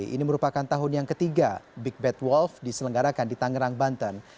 ini merupakan tahun yang ketiga big bad wolf diselenggarakan di tangerang banten